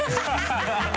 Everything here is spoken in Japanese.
ハハハ